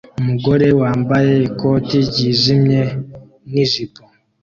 Umugore wambaye ikoti ryijimye nijipo